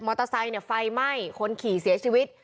มอเตอร์ไซส์เนี่ยไฟไหม้คนขี่เสียชีวิต